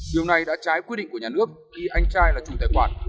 điều này đã trái quy định của nhà nước khi anh trai là chủ tài khoản